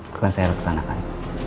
bukan saya raksanakan